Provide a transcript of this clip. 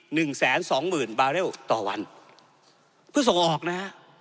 หนึ่งแสนสองหมื่นบาเรลต่อวันเพื่อส่งออกนะฮะ